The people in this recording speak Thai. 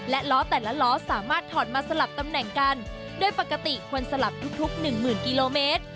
และล้อแต่ละล้อสามารถถอดมาสลับตำแหน่งกันโดยปกติคนสลับทุกทุกหนึ่งหมื่นกิโลเมตร